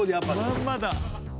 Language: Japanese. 「まんまだ」